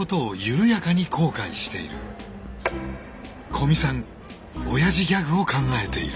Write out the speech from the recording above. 古見さんオヤジギャグを考えている。